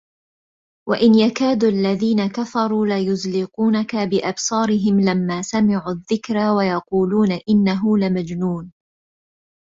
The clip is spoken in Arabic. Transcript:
وَإِن يَكادُ الَّذينَ كَفَروا لَيُزلِقونَكَ بِأَبصارِهِم لَمّا سَمِعُوا الذِّكرَ وَيَقولونَ إِنَّهُ لَمَجنونٌ